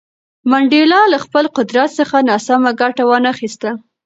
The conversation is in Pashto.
منډېلا له خپل قدرت څخه ناسمه ګټه ونه خیسته.